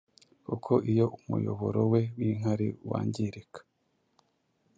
kuko iyo umuyoboro we w’inkari wangirika